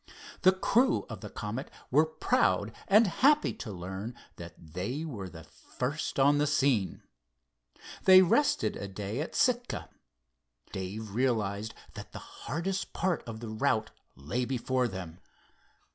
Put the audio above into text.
The crew of the Comet were proud and happy to learn that they were the first on the scene. They rested a day at Sitka. Dave realized that the hardest part of the route lay before them.